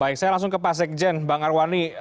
baik saya langsung ke pak sekjen bang arwani